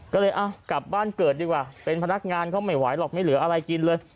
ก็เลยกลับบ้านเกิดดีกว่าเป็นพนักงานเขาไม่ไหวหรอกไม่เหลืออะไรกินเลย